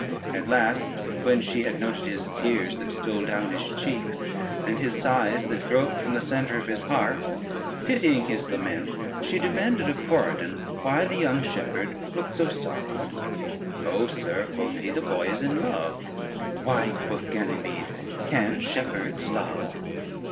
At last, when she had noted his tears that stole down his cheeks, and his sighs that broke from the centre of his heart, pitying his lament, she demanded of Corydon why the young shepherd looked so sorrowful. "O sir," quoth he, "the boy is in love." "Why," quoth Ganymede, "can shepherds love?"